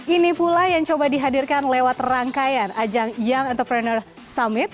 ini pula yang coba dihadirkan lewat rangkaian ajang young entrepreneur summit